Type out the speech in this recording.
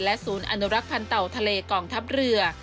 ศูนย์อนุรักษ์พันธ์เต่าทะเลกองทัพเรือ